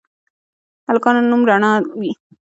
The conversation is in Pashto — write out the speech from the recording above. هلکانو نوم رڼا وي